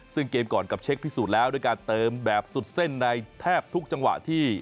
ซึ่งเกมก่อนกับเช็คพิสูจน์แล้วด้วยการเติมแบบสุดเส้นในแทบทุกจังหวะที่